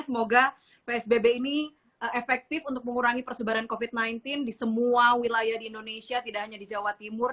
semoga psbb ini efektif untuk mengurangi persebaran covid sembilan belas di semua wilayah di indonesia tidak hanya di jawa timur